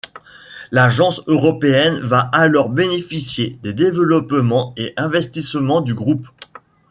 L'agence européenne va alors bénéficier des développements et investissements du groupe.